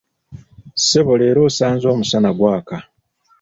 Ssebo leero osanze omusana gwaka.